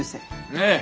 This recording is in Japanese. ええ。